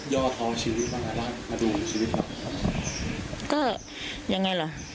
ย่อท้อชีวิตบ้างมาดูชีวิตบ้าง